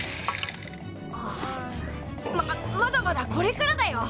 ままだまだこれからだよ！